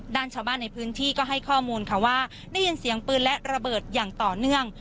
ด้านชาวบ้านในพื้นที่ก็ให้ข้อมูลค่ะว่าได้ยินเสียงปืนและระเบิดอย่างต่อเนื่อง